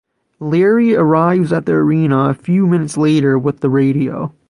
Larry arrives at the arena a few minutes later with the radio.